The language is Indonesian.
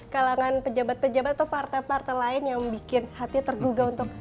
kalangan pejabat pejabat atau partai partai lain yang bikin hati tergugah untuk